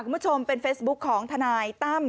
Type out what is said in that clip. คุณผู้ชมเป็นเฟซบุ๊คของทนายตั้ม